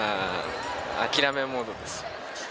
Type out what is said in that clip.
諦めモードです。